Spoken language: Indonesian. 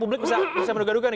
publik bisa menduga duga nih